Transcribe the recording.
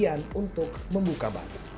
ahlian untuk membuka ban